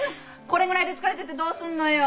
これぐらいで疲れててどうすんのよ。